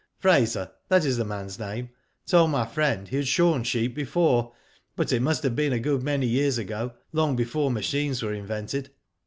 Fraser, that is the man's name, told my friend, he had shorn sheep before, but it must have been a good many years ago, long before machines were invented.